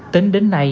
tính đến nay